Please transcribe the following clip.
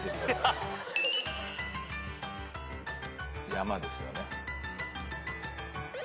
山ですよね。